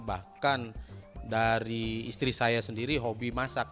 bahkan dari istri saya sendiri hobi masak